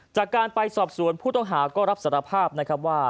จากการไปสอบสวนผู้ต้องหาก็รับสารภาพนะครับว่า